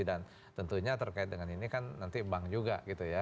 dan tentunya terkait dengan ini kan nanti bank juga gitu ya